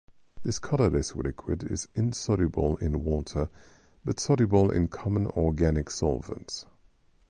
This colorless liquid is insoluble in water but soluble in common organic solvents.